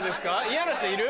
嫌な人いる？